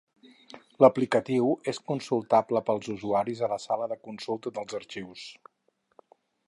L'aplicatiu és consultable pels usuaris a la sala de consulta dels arxius.